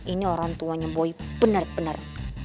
ini orang tuanya boy bener bener aneh